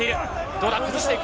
どうだ、崩していく。